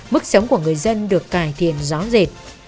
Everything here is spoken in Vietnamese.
mức sống của người dân được cải thiện rõ rệt